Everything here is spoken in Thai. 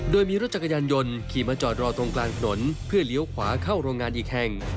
โดยมีรถจักรยานยนต์ขี่มาจอดรอตรงกลางถนนเพื่อเลี้ยวขวาเข้าโรงงานอีกแห่ง